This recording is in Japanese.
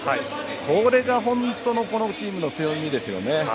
これが本当のこのチームの強みですよね。